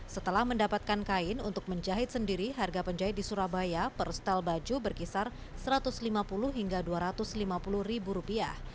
setelah mendapatkan kain untuk menjahit sendiri harga penjahit di surabaya per stel baju berkisar satu ratus lima puluh hingga dua ratus lima puluh ribu rupiah